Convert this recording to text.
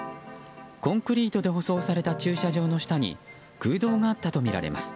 コンクリートで舗装された駐車場の下に空洞があったとみられます。